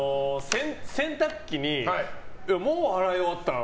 洗濯機にもう洗い終わったん？